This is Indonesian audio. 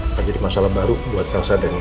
akan jadi masalah baru buat elsa dan nino